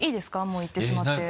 もう言ってしまって。